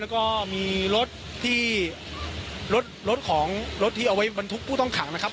แล้วก็มีรถที่รถรถของรถที่เอาไว้บรรทุกผู้ต้องขังนะครับ